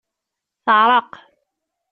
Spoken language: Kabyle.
Teɛreq.